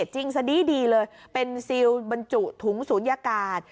จิ้งซะดี้ดีเลยเป็นซีลปรึนจุถุงสูงยากาศ